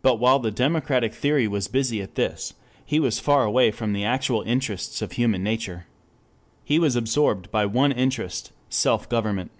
But while the democratic theorist was busy at this, he was far away from the actual interests of human nature. He was absorbed by one interest: self government.